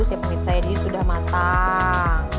ya pemirsa ya jadi sudah matang